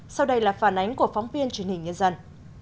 sau đây là phản ánh của phóng viên truyền hình nhân dân